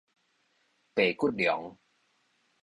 白骨龍